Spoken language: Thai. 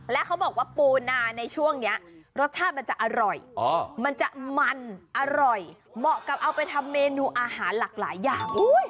และเขาบอกว่าปูนาในช่วงนี้รสชาติมันจะอร่อยมันจะมันอร่อยเหมาะกับเอาไปทำเมนูอาหารหลากหลายอย่าง